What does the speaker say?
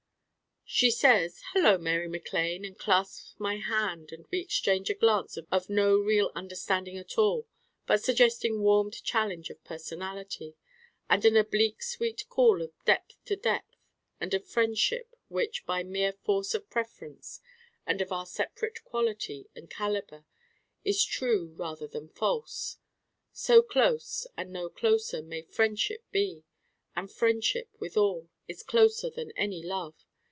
She says, 'Hello Mary Mac Lane,' and clasps my hand, and we exchange a glance of no real understanding at all but suggesting warmed challenge of personality, and an oblique sweet call of depth to depth, and of friendship which by mere force of preference and of our separate quality and calibre is true rather than false. So close and no closer may friendship be. And friendship, with all, is closer than any love.